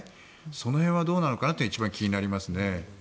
その辺はどうなのかなと一番気になりますね。